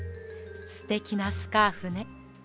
すてきなスカーフね。